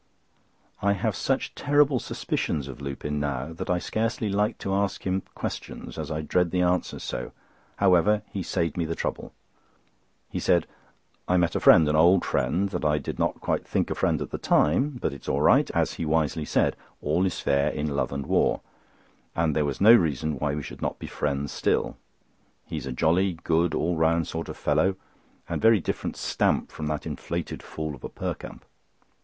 I have such terrible suspicions of Lupin now that I scarcely like to ask him questions, as I dread the answers so. He, however, saved me the trouble. He said: "I met a friend, an old friend, that I did not quite think a friend at the time; but it's all right. As he wisely said, 'all is fair in love and war,' and there was no reason why we should not be friends still. He's a jolly, good, all round sort of fellow, and a very different stamp from that inflated fool of a Perkupp."